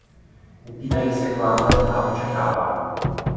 Upínají se k vám velká očekávání.